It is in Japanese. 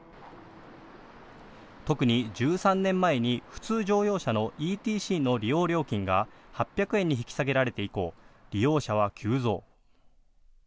特に１３年前に普通乗用車のＥＴＣの利用料金が８００円に引き下げられて以降、利用者は急増。